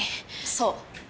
そう。